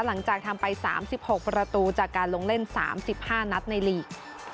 หลังจากทำไป๓๖ประตูจากการลงเล่น๓๕นัดในลีก